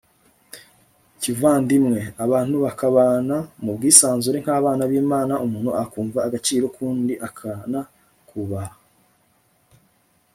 kivandimwe, abantu bakabana mu bwisanzure nk'abana b'imana, umuntu akumva agaciro k'undi akanakubaha